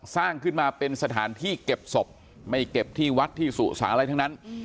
สร้างขึ้นมาเป็นสถานที่เก็บศพไม่เก็บที่วัดที่สุสาอะไรทั้งนั้น